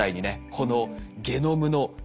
このゲノムの意味